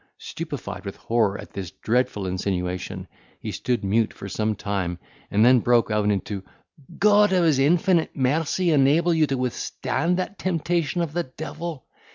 Stupified with horror at this dreadful insinuation, he stood mute for some time and then broke out into "God of his infinite mercy enable you to withstand that temptation of the devil!